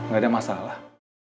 gak ada masalah